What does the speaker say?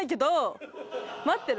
待ってね。